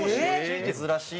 珍しい！